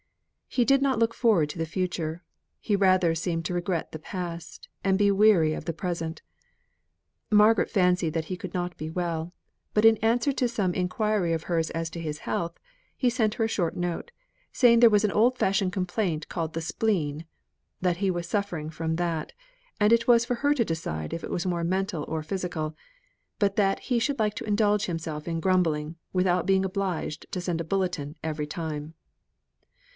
He did not look forward to the future; he rather seemed to regret the past, and be weary of the present. Margaret fancied that he could not be well; but in answer to some enquiry of hers as to his health, he sent her a short note, saying there was an oldfashioned complaint called the spleen; that he was suffering from that, and it was for her to decide if it was more mental or physical; but that he should like to indulge himself in grumbling, without being obliged to send a bulletin every time.